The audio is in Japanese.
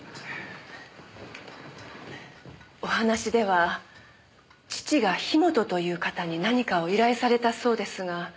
お話では義父が樋本という方に何かを依頼されたそうですが。